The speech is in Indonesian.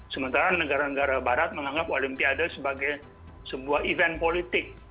sementara negara negara barat menganggap olimpiade sebagai sebuah event politik